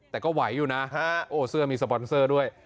แต่ก็ไหวอยู่นะโอ้เสื้อมีสปอนเซอร์ด้วย